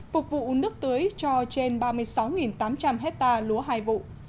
phục vụ nước tưới cho trên ba mươi sáu tám trăm linh hectare lúa hai vụ